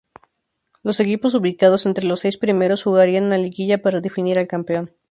Los equipos ubicados entre los seis primeros jugarían una liguilla para definir al campeón.